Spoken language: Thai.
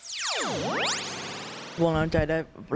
ในการผ่าตัดเด็กที่มีปัญหาปากแหว่งเพดันโหลค่ะ